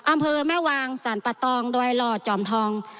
อำเภอแม่วางสรรปะตองดอยหล่อจอมทอง